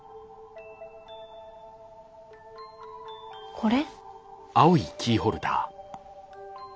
これ？